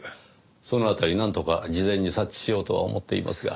その辺りなんとか事前に察知しようとは思っていますが。